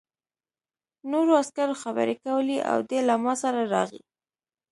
نورو عسکرو خبرې کولې او دی له ما سره راغی